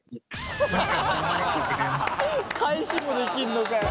返しもできんのかよ。